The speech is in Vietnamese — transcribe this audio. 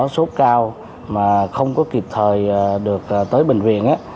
sốt cao mà không có kịp thời được tới bệnh viện